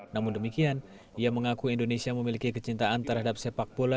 namun demikian ia mengaku indonesia memiliki kecintaan terhadap sepak bola